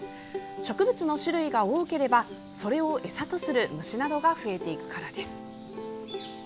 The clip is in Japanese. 植物の種類が多ければそれを餌とする虫などが増えていくからです。